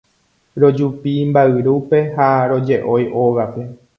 rojupi mba'yrúpe ha roje'ói ógape.